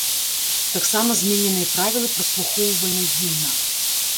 Таксама змененыя правілы праслухоўвання гімна.